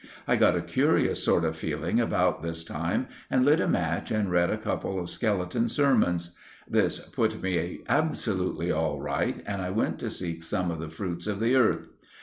I got a curious sort of feeling about this time and lit a match and read a couple of Skeleton Sermons. This put me absolutely all right, and I went to seek some of the fruits of the earth.